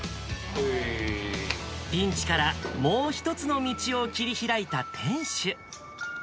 ピンチからもう一つの道を切り開いた店主。